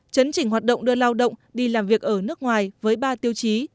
chấn chỉnh hoạt động đưa lao động đi làm việc ở nước ngoài với ba tiêu chí